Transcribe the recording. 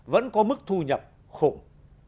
vẫn có mức thu nhập khủng